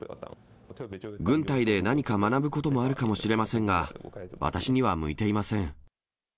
軍隊で何か学ぶこともあるかもしれませんが、私には向いていません。